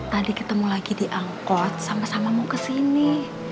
tadi ketemu lagi di angkot sama sama mau kesini